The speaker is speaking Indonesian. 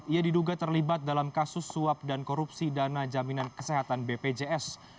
ia diduga terlibat dalam kasus suap dan korupsi dana jaminan kesehatan bpjs